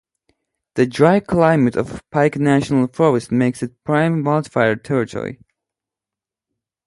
The dry climate of Pike National Forest makes it prime wildfire territory.